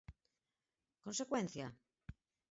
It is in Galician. Consecuencia?